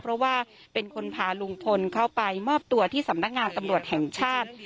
เพราะว่าเป็นคนพาลุงพลเข้าไปมอบตัวที่สำนักงานตำรวจแห่งชาติ